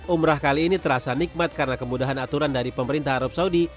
umrah kali ini terasa nikmat karena kemudahan aturan dari pemerintah arab saudi